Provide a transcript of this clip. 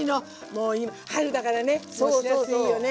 もう春だからねしらすいいよね。